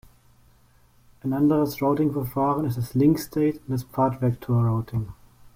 Ein anderes Routing-Verfahren ist das Link-State- und das Pfad-Vektor-Routing.